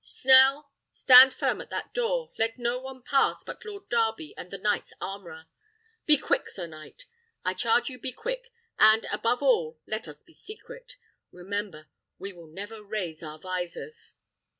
Snell! stand firm at that door; let no one pass but Lord Darby and the knight's armourer. Be quick, sir knight! I charge you be quick: and, above all, let us be secret. Remember, we will never raise our visors.